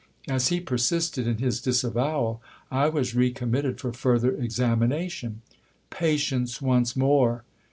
As he persisted in his disavowal, I was recommitted for further examination. Patience once more